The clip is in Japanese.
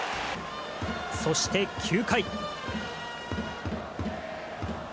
そして、９回。